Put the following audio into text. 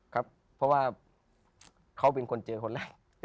ครับเพราะว่าเขาเป็นคนเจอคนแรก